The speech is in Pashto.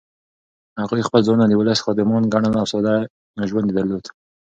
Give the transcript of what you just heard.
هغوی خپل ځانونه د ولس خادمان ګڼل او ساده ژوند یې درلود.